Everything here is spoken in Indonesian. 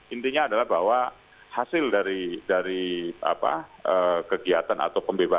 intinya adalah bahwa hasil dari kegiatan atau pembebasan